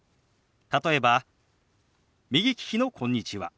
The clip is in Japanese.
例えば右利きの「こんにちは」。